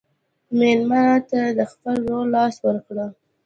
مېلمه ته د خپل ورور لاس ورکړه.